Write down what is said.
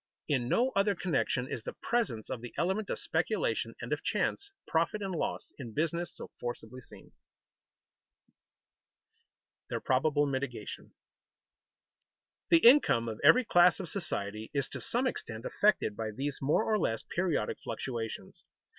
In no other connection is the presence of the element of speculation and of chance profit and loss in business so forcibly seen. [Sidenote: Their probable mitigation] The income of every class of society is to some extent affected by these more or less periodic fluctuations.